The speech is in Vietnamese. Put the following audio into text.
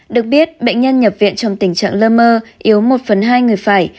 được biết bệnh nhân nhập viện trong tình trạng lơ mơ yếu một phần hai người phải